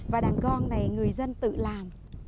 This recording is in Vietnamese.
và đàn gong này người dân tự làm